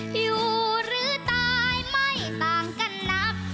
หิวหรือตายไม่ต่างกันนัก